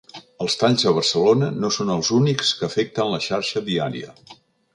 Els talls a Barcelona no són els únics que afecten la xarxa viària.